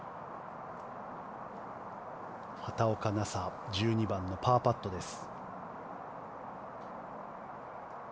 畑岡奈紗１２番のパーパットです。